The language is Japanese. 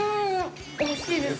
おいしいです。